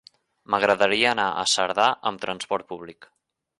M'agradaria anar a Cerdà amb transport públic.